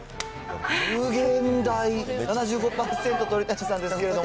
無限大、７５％、鳥谷さんですけれども。